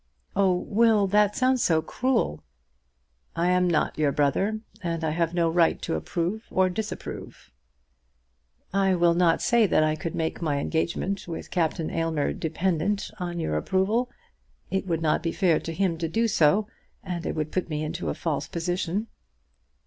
"Oh, Will; that sounds so cruel!" "I am not your brother, and I have no right to approve or disapprove." "I will not say that I could make my engagement with Captain Aylmer dependent on your approval. It would not be fair to him to do so, and it would put me into a false position."